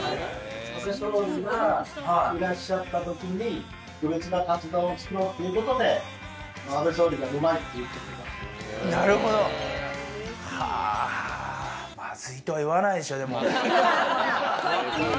安倍首相がいらっしゃったときに特別なかつ丼を作ろうということで、安倍総理がうまいと言ってくまずいとは言わないでしょ、でも。